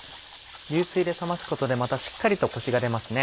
流水で冷ますことでまたしっかりとコシが出ますね。